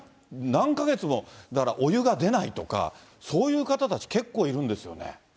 何か月も、だから、お湯が出ないとか、そういう方たち、結構いるんですよね。